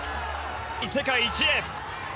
世界一へ。